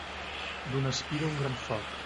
D'una espira, un gran foc.